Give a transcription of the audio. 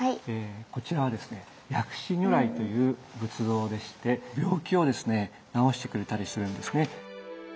こちらはですね薬師如来という仏像でして病気をですね治してくれたりするんですね。